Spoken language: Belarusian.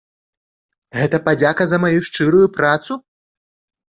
Гэта падзяка за маю шчырую працу?!